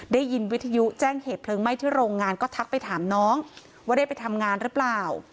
ได้ยินวิทยุแจ้งเหตุเพลิงไหม้ที่โรงงานก็ทักไปถามน้องว่าได้ไปทำงานหรือเปล่า